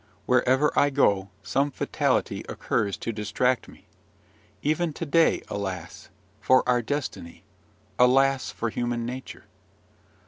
Wherever I go, some fatality occurs to distract me. Even to day alas for our destiny! alas for human nature!